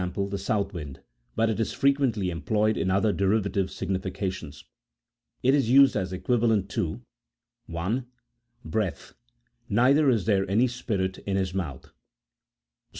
the south wind, but it is frequently employed in other derivative significations. It is used as equivalent to, (1.) Breath: "Neither is there any spirit in his mouth," Ps.